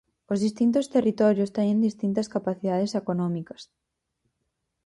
Os distintos territorios teñen distintas capacidades económicas.